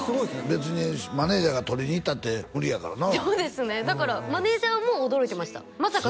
別にマネージャーが取りにいったって無理やからなそうですねだからマネージャーも驚いてましたまさか